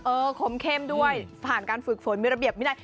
คมเข้มด้วยผ่านการฝึกฝนมีระเบียบวินัย